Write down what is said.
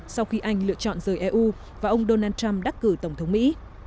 sau khi anh lựa chọn rời eu và ông donald trump đắc cử tổng thống mỹ